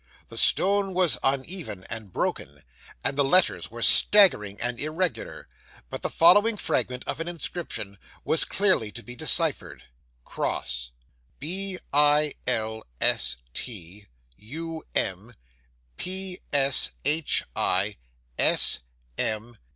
The stone was uneven and broken, and the letters were straggling and irregular, but the following fragment of an inscription was clearly to be deciphered: [cross] B I L S T U M P S H I S. M.